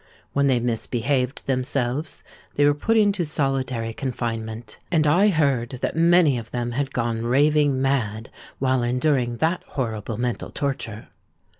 When they misbehaved themselves, they were put into solitary confinement; and I heard that many of them had gone raving mad while enduring that horrible mental torture.